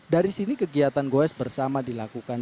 dari sini kegiatan goes bersama dilakukan